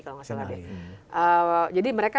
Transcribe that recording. kalau gak salah jadi mereka